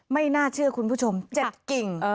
ไม่น่าเชื่อคุณผู้ชม๗กิ่ง